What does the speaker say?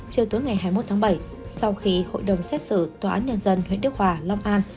chiều tối ngày hai mươi một tháng bảy sau khi hội đồng xét xử tòa án nhân dân huyện đức hòa long an